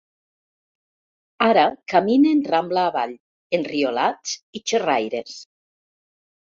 Ara caminen Rambla avall, enriolats i xerraires.